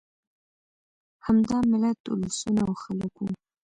همدا ملت، اولسونه او خلک وو.